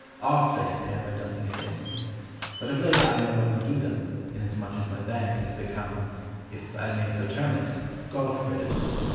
Oft, I say, have I done these things; But of late I no longer do them, Inasmuch as my bank Has become (if I may so term it) Golf ridden.